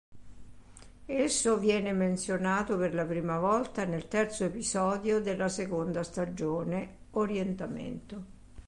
Esso viene menzionato per la prima volta nel terzo episodio della seconda stagione, "Orientamento".